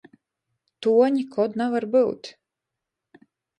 Tuo nikod navar byut!